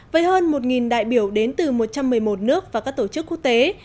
với hơn một đại biểu đến từ một trăm một mươi một nước và các tổ chức quốc tế